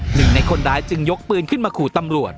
หนึ่งในคนร้ายจึงยกปืนขึ้นมาขู่ตำรวจ